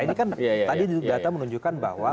ini kan tadi data menunjukkan bahwa